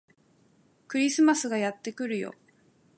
クリスマスがやってくるよ